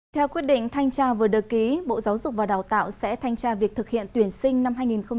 theo quyết định thanh tra vừa được ký bộ giáo dục và đào tạo sẽ thanh tra việc thực hiện tuyển sinh năm hai nghìn hai mươi